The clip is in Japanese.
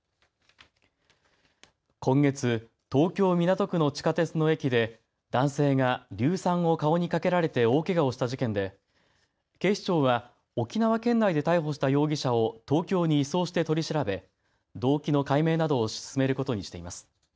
今月、東京港区の地下鉄の駅で男性が硫酸を顔にかけられて大けがをした事件で警視庁は沖縄県内で逮捕した容疑者を東京に移送して取り調べ、動機の解明などを進めることにしています。